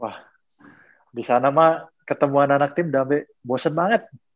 wah disana mah ketemuan anak tim udah sampe bosen banget